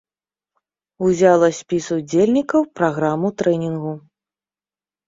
Узяла спіс удзельнікаў, праграму трэнінгу.